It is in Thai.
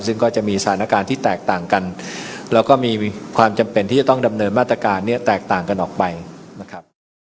ซึ่งก็จะมีสถานการณ์ที่แตกต่างกันแล้วก็มีความจำเป็นที่จะต้องดำเนินมาตรการเนี่ยแตกต่างกันออกไปนะครับ